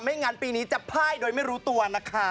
งั้นปีนี้จะพ่ายโดยไม่รู้ตัวนะคะ